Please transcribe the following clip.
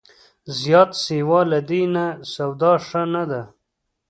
زیات سیوا له دې نه، سودا ښه نه ده